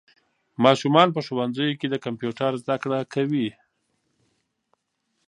ماشومان په ښوونځیو کې د کمپیوټر زده کړه کوي.